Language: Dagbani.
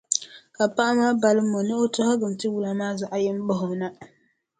Ka paɣa maa balimi o ni o tɔhigim tiwala maa zaɣʼ yini bahi o na.